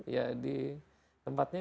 ya di tempatnya